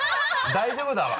大丈夫だわ。